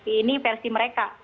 ini versi mereka